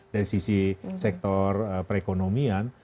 dari sisi sektor perekonomian